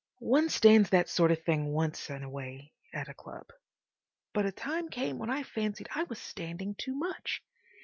One stands that sort of thing once in a way at a club, but a time came when I fancied I was standing too much.